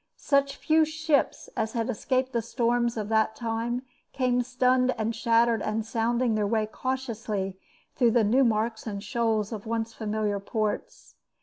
Such few ships as had escaped the storms of that time came stunned and shattered and sounding their way cautiously through the new marks and shoals of once familiar ports.